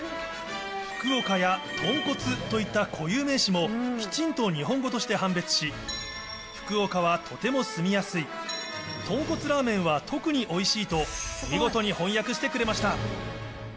福岡やとんこつといった固有名詞も、きちんと日本語として判別し、福岡はとても住みやすい、とんこつラーメンは特においしいと、見事に翻訳してくれました。